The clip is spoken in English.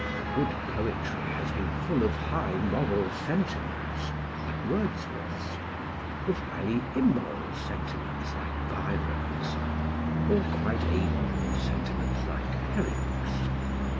Good poetry has been full of high moral sentiments, like Wordsworth's, of highly immoral sentiments, like Byron's, or quite amoral sentiments, like Herrick's.